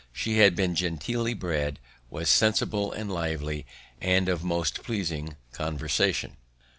She had been genteelly bred, was sensible and lively, and of most pleasing conversation.